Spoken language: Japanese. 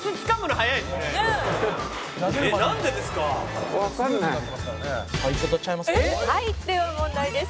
「はいでは問題です」